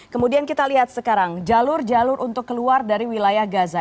kemudian kita lihat sekarang jalur jalur untuk keluar dari wilayah gaza